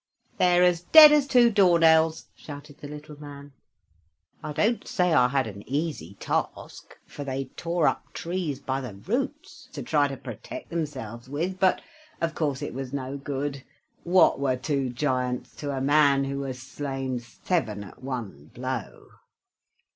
"They are as dead as two door nails," shouted the little man. "I don't say that I had an easy task, for they tore up trees by their roots to try to protect themselves with, but, of course, it was no good. What were two giants to a man who has slain seven at one blow?"